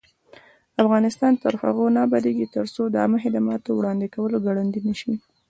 افغانستان تر هغو نه ابادیږي، ترڅو د عامه خدماتو وړاندې کول ګړندی نشي.